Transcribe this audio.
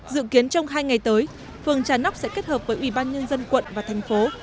dự kiến trong hai ngày tới phường trà nóc sẽ kết hợp với ủy ban nhân dân quận và thành phố